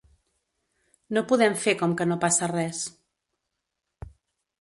No podem fer com que no passa res.